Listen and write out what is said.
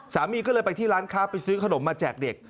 สามีก็เลยไปที่ร้านค้าไปซื้อขนมมาแจกเด็ก